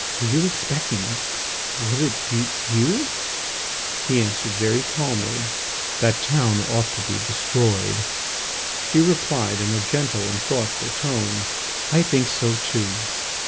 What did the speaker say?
Were you expecting it? Was it you ..." He answered very calmly: "That town ought to be destroyed." She replied in a gentle and thoughtful tone: "I think so too."